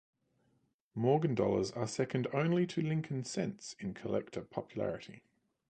Morgan dollars are second only to Lincoln Cents in collector popularity.